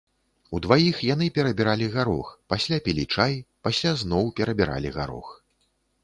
Удваіх яны перабіралі гарох, пасля пілі чай, пасля зноў перабіралі гарох.